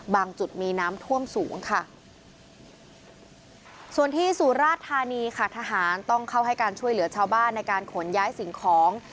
จุดมีน้ำท่วมสูงค่ะส่วนที่สุราชธานีค่ะทหารต้องเข้าให้การช่วยเหลือชาวบ้านในการขนย้ายสิ่งของ